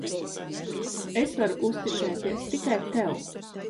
Es varu uzticēties tikai tev.